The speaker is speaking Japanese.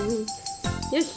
よし。